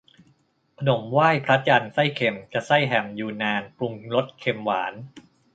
ขนมไหว้พระจันทร์ไส้เค็ม จะใส่แฮมยูนนาน ปรุงรสเค็มหวาน